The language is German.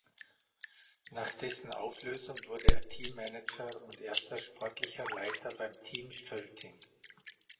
Nach dessen Auflösung wurde er Teammanager und erster Sportlicher Leiter beim Team Stölting.